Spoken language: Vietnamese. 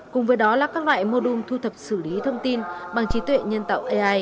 cùng với đó là các loại mô đun thu thập xử lý thông tin bằng trí tuệ nhân tạo ai